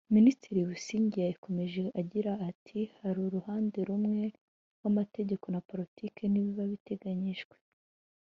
Minisitiri Busingye yakomeje agira ati “Hari uruhande rumwe rw’Amategeko na politiki n’ibiba biteganyijwe